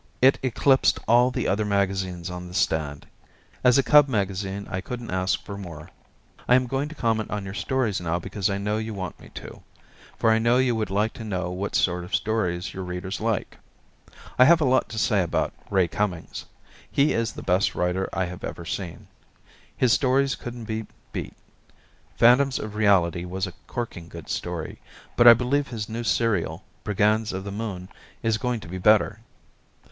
It eclipsed all the other magazines on the stand. As a cub magazine I couldn't ask for more. I am going to comment on your stories now because I know you want me too, for I know you would like to know what sort of stories your readers like. I have a lot to say about Ray Cummings. He is the best writer I have ever seen. His stories couldn't be beat. "Phantoms of Reality" was a corking good story, but I believe his new serial, "Brigands of the Moon," is going to be better.